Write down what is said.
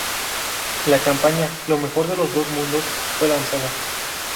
La campaña "Lo Mejor de los dos mundos" fue lanzada.